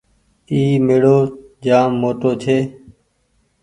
اي ميڙو جآم موٽو ڇي۔